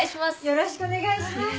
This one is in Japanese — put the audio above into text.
よろしくお願いします